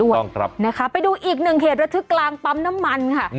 ถูกต้องครับนะคะไปดูอีกหนึ่งเหตุระทึกกลางปั๊มน้ำมันค่ะ